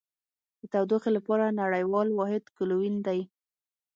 د تودوخې لپاره نړیوال واحد کلوین دی.